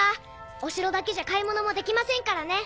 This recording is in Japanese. お城だけじゃ買い物もできませんからね。